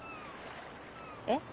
えっ？